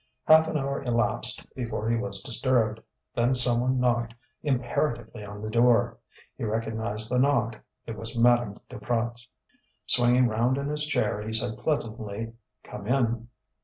Half an hour elapsed before he was disturbed. Then someone knocked imperatively on the door. He recognized the knock; it was Madame Duprat's. Swinging round in his chair he said pleasantly: "Come in."